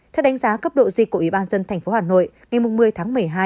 theo đánh giá cấp độ dịch của ủy ban dân thành phố hà nội ngày một mươi tháng một mươi hai